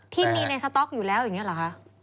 ที่มีในสต๊อกอยู่แล้วอย่างนี้เหรอคะ